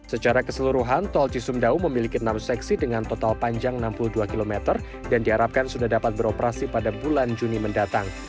secara keseluruhan tol cisumdawu memiliki enam seksi dengan total panjang enam puluh dua km dan diharapkan sudah dapat beroperasi pada bulan juni mendatang